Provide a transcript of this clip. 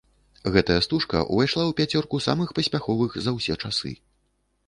Гэтая стужка ўвайшла ў пяцёрку самых паспяховых за ўсе часы!